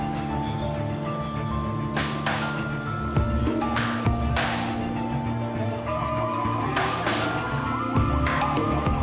silakan kalau masuk ke jalur jalur